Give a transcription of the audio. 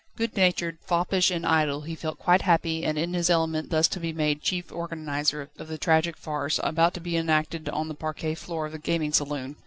Good natured, foppish, and idle, he felt quite happy and in his element thus to be made chief organiser of the tragic farce, about to be enacted on the parquet floor of the gaming saloon.